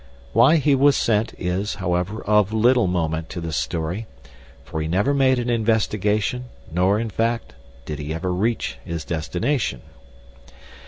Why he was sent, is, however, of little moment to this story, for he never made an investigation, nor, in fact, did he ever reach his destination.